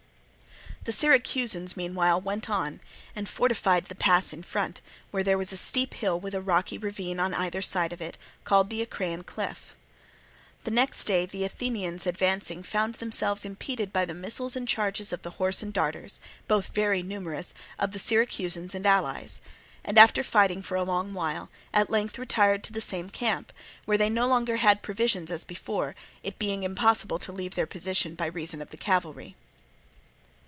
The Syracusans meanwhile went on and fortified the pass in front, where there was a steep hill with a rocky ravine on each side of it, called the Acraean cliff. The next day the Athenians advancing found themselves impeded by the missiles and charges of the horse and darters, both very numerous, of the Syracusans and allies; and after fighting for a long while, at length retired to the same camp, where they had no longer provisions as before, it being impossible to leave their position by reason of the cavalry.